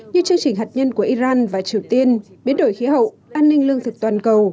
như chương trình hạt nhân của iran và triều tiên biến đổi khí hậu an ninh lương thực toàn cầu